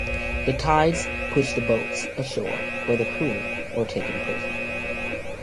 The tides pushed the boats ashore where the crew were taken prisoner.